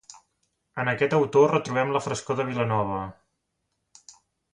En aquest autor retrobem la frescor de Vilanova.